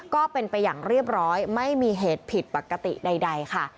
ก็เป็นไปอย่างเรียบร้อยไม่มีเหตุผิดปกติใดค่ะ